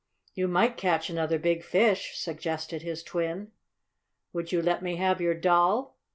"You might catch another big fish," suggested his twin. "Would you let me have your doll?"